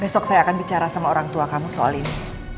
besok saya akan bicara sama orang tua kamu soal ini